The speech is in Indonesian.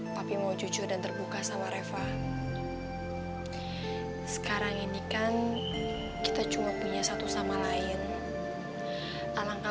tapi mau jujur dan terbuka sama reva sekarang ini kan kita cuma punya satu sama lain alangkah